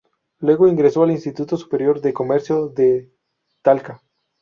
Luego ingresó al Instituto Superior de Comercio de Talca.